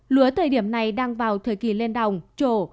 lúa thời điểm này đang vào thời kỳ lên đồng trổ